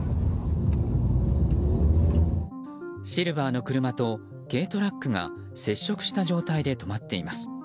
シルバーの車と軽トラックが接触した状態で止まっています。